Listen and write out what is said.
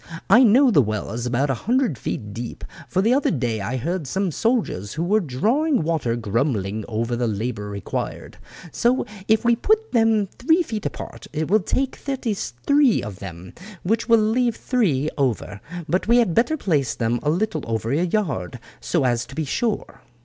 I know the well is about a hundred feet deep, for the other day I heard some of the soldiers who were drawing water grumbling over the labour required. So if we put them three feet apart it will take thirty three of them, which will leave three over; but we had better place them a little over a yard so as to make sure."